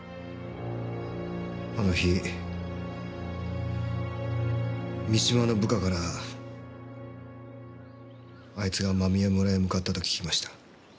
あの日三島の部下からあいつが間宮村へ向かったと聞きました。